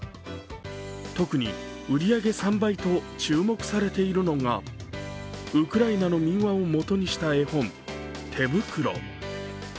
特に売り上げ３倍と注目されているのがウクライナの民話をもとにした絵本「てぶくろ」。